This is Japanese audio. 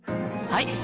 はい！